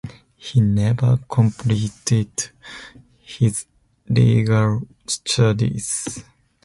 He never completed his legal studies.